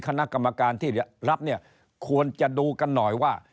คณะกรรมการที่รับเนี่ยควรจะดูกันหน่อยว่า